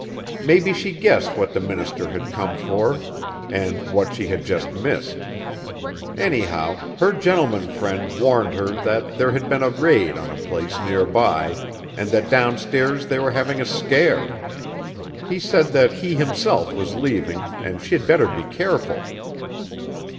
Maybe she guessed what the minister had cone for and what she had just missed. Anyhow her 'gentleman friend' warned her that there had been a raid on a place nearby and that downstairs they were having a scare He said that he himself was leaving and she'd better be careful.